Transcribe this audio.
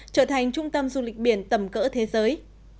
trở thành trung tâm du lịch biển tầm cỡ thế giới